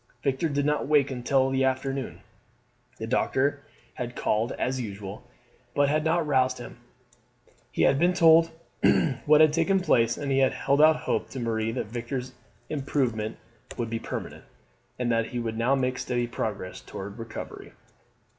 Victor did not wake until the afternoon. The doctor had called as usual, but had not roused him. He had been told what had taken place, and had held out hope to Marie that Victor's improvement would be permanent, and that he would now make steady progress towards recovery.